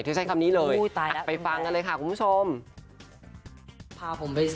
ใช้คำนี้เลยไปฟังกันเลยค่ะคุณผู้ชม